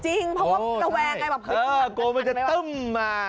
จริงเพราะว่ากระแวร์ใกล้แบบเออกลัวมันจะตึ้มมา